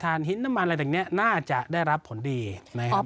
ฐานหินน้ำมันอะไรแบบนี้น่าจะได้รับผลดีนะครับ